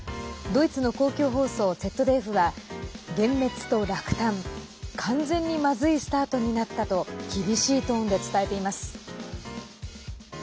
ドイツの公共放送ＺＤＦは幻滅と落胆完全にまずいスタートになったと厳しいトーンで伝えています。